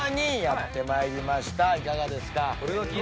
いかがですか？